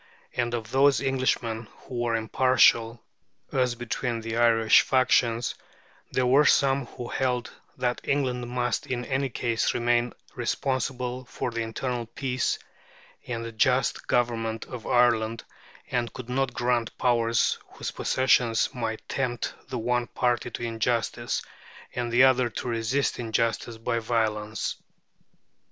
And of those Englishmen who were impartial as between the Irish factions, there were some who held that England must in any case remain responsible for the internal peace and the just government of Ireland, and could not grant powers whose possession might tempt the one party to injustice, and the other to resist injustice by violence.